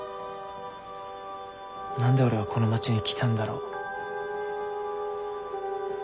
何で俺はこの町に来たんだろう。